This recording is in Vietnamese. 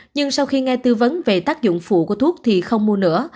nhưng sau khi nghe tư vấn về tác dụng phụ của thuốc thì không mua nữa